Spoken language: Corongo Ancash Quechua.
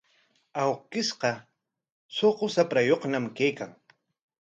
Awkishqa suqu shaprayuqñam kaykan.